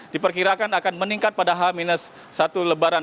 diperkirakan akan meningkat pada h satu lebaran